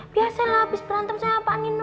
biasalah abis berantem sama pak nino